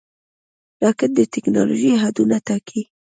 راکټ د ټېکنالوژۍ حدونه ټاکي